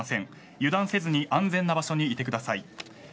油断せずに安全な場所にいてください。